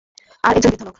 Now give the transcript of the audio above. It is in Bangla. আর একজন বৃদ্ধ লোক।